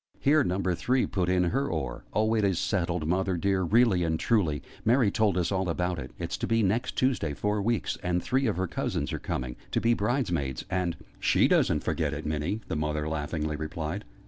Here Number Three put in her oar. "Oh, it is settled, Mother dear, really and truly! Mary told us all about it. It's to be next Tuesday four weeks and three of her cousins are coming; to be bride's maids and " "She doesn't forget it, Minnie!" the Mother laughingly replied.